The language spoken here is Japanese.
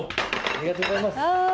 ・ありがとうございます。